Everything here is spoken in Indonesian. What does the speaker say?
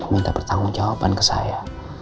minta pertanggung jawaban ke saya